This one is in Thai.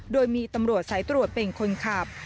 โดยมีตำรวจสายตรวจเป็นคนขับ